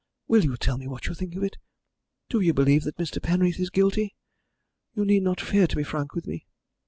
Will you tell me what you think of it? Do you believe that Mr. Penreath is guilty? You need not fear to be frank with me."